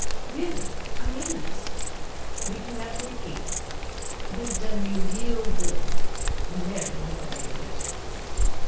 Really. I mean this. We can never repeat. It has done me real good, and there we had better leave it."